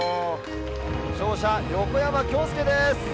勝者横山恭典です！